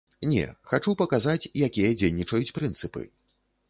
Не, хачу паказаць, якія дзейнічаюць прынцыпы.